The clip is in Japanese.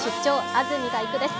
安住がいく」です。